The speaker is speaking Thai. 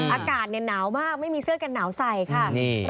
อากาศเนี่ยหนาวมากไม่มีเสื้อกันหนาวใส่ค่ะ